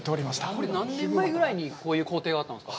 これ何年前ぐらいにこういう工程があったんですか。